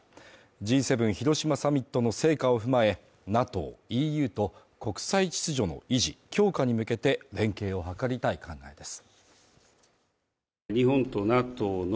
Ｇ７広島サミットの成果を踏まえＮＡＴＯ、ＥＵと国際秩序の維持・強化に向けて連携を図りたい考えです。